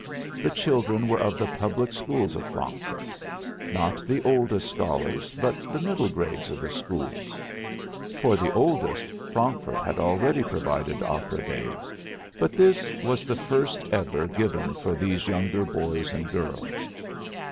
The children were of the public schools of Frankfurt not the oldest scholars, but the middle grades of the schools. For the oldest, Frankfurt had already provided opera days, but this was the first ever given for these younger boys and girls.